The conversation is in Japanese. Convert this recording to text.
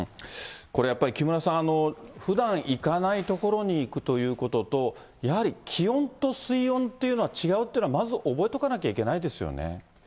これ、やっぱり木村さん、ふだん行かない所に行くということと、やはり気温と水温っていうのは違うっていうのはまず覚えとかないといけないですよね。